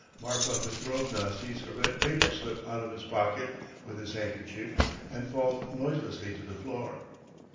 . Marfa Petrovna sees a red paper slip out of his pocket with his handkerchief and fall noiselessly to the floor.